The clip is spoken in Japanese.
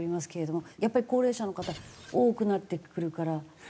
やっぱり高齢者の方多くなってくるから。